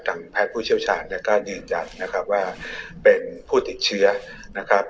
แพทย์ผู้เชี่ยวชาญเนี่ยก็ยืนยันนะครับว่าเป็นผู้ติดเชื้อนะครับ